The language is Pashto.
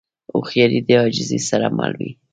هوښیاري د عاجزۍ سره مل وي.